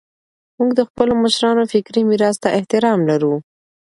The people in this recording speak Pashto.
موږ د خپلو مشرانو فکري میراث ته احترام لرو.